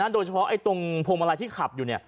โดยเฉพาะตรงพวงมาลัยที่ขับอยู่